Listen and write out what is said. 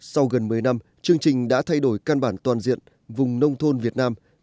sau gần một mươi năm chương trình đã thay đổi căn bản toàn diện vùng nông thôn việt nam